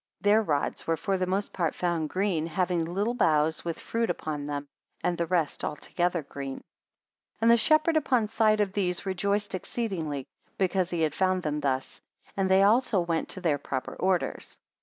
Their rods were for the most part found green, having little boughs, with fruit upon them; and the rest altogether green. 44 And the shepherd upon sight of these rejoiced exceedingly, because he had found them thus; and they also went to their proper orders.